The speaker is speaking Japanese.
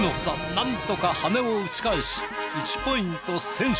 なんとか羽を打ち返し１ポイント先取。